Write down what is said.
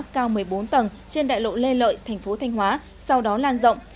cao một mươi bốn tầng trên đại lộ lê lợi thành phố thanh hóa sau đó lan rộng